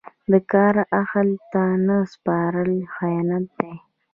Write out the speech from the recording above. د کار اهل ته نه سپارل خیانت دی.